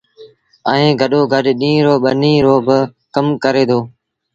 ائيٚݩ گڏو گڏ ڏيٚݩهݩ رو ٻنيٚ رو با ڪم ڪري دو۔